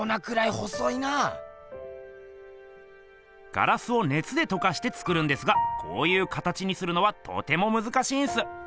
ガラスをねつでとかして作るんですがこういう形にするのはとてもむずかしいんす。